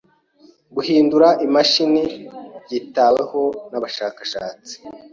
Guhindura imashini byitaweho nabashakashatsi.